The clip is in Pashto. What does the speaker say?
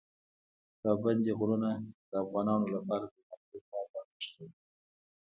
پابندی غرونه د افغانانو لپاره په معنوي لحاظ ارزښت لري.